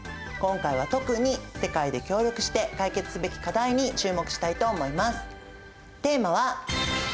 今回は特に世界で協力して解決すべき課題に注目したいと思います。